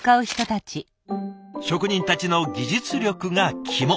職人たちの技術力が肝。